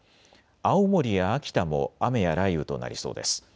青森や秋田も雨や雷雨となりそうです。